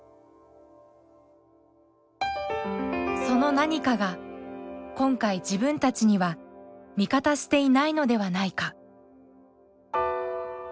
その何かが今回自分たちには味方していないのではないか？